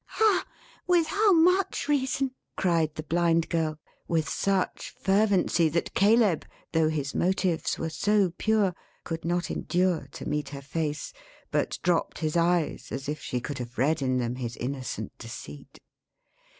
"Ah! With how much reason!" cried the Blind Girl. With such fervency, that Caleb, though his motives were so pure, could not endure to meet her face; but dropped his eyes, as if she could have read in them his innocent deceit.